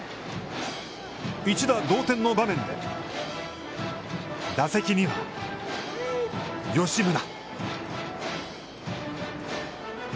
一打同点の場面で、打席には吉村。